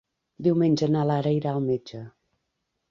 Diumenge na Lara irà al metge.